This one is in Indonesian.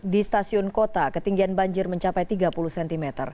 di stasiun kota ketinggian banjir mencapai tiga puluh cm